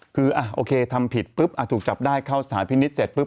คือโอเคทำผิดปุ๊บถูกจับได้เข้าสถานพินิษฐ์เสร็จปุ๊บ